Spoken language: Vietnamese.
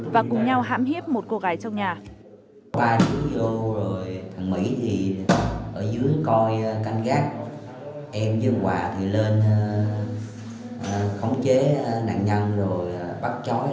và cùng nhau hãm hiếp một cô gái trong nhà